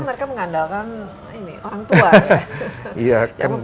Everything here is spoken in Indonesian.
jangan jalan mereka mengandalkan orang tua ya